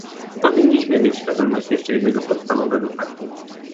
Powinniśmy mieć świadomość jeszcze jednego podstawowego faktu